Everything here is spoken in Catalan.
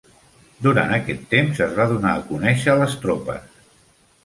Durant aquest temps es va donar a conèixer a les tropes.